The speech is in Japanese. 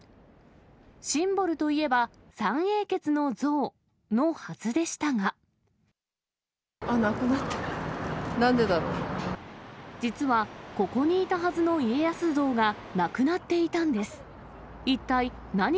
シンボルといえば、あっ、なくなってる、なんで実は、ここにいたはずの家康像が、なくなっていたんです。